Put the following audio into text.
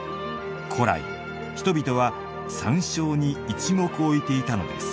古来、人々は山椒に一目置いていたのです。